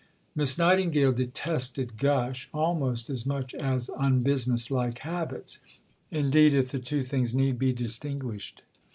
'" Miss Nightingale detested gush almost as much as unbusiness like habits (if indeed the two things need be distinguished).